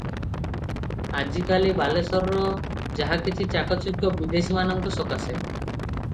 ଆଜିକାଲି ବାଲେଶ୍ୱରର ଯାହାକିଛି ଚାକଚକ୍ୟ ବିଦେଶୀମାନଙ୍କ ସକାଶେ ।